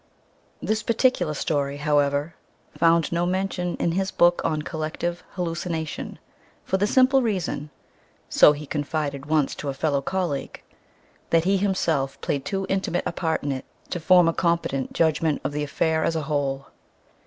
This particular story, however, found no mention in his book on Collective Hallucination for the simple reason (so he confided once to a fellow colleague) that he himself played too intimate a part in it to form a competent judgment of the affair as a whole....